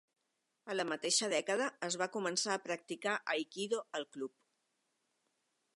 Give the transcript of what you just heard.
A la mateixa dècada es va començar a practicar aikido al club.